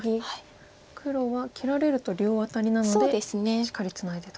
黒は切られると両アタリなのでしっかりツナいでと。